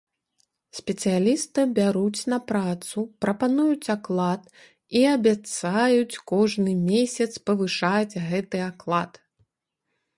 Спецыяліста бяруць на працу, прапануюць аклад і абяцаюць кожны месяц павышаць гэты аклад.